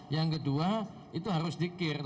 yang kedua itu harus dikir